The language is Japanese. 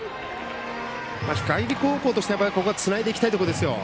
光高校としては、ここはつないでいきたいところですよ。